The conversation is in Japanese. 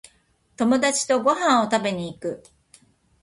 友達とご飯を食べに行く